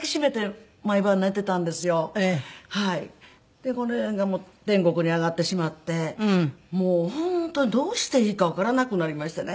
でこのベベが天国に上がってしまってもう本当にどうしていいかわからなくなりましてね。